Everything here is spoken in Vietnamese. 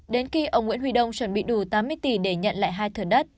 đến khi ông nguyễn huy đông chuẩn bị đủ tám mươi tỷ để nhận lại hai thừa đất